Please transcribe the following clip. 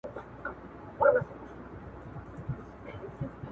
او داسي عمل سره افغانيت تعريف سي